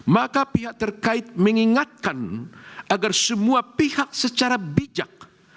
maka pihak terkait mengingatkan agar semua pihak secara bijak